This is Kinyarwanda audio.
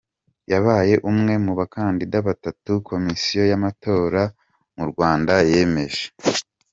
Yabaye umwe mu bakandida batatu Komisiyo y’ amatora mu Rwanda yemeje.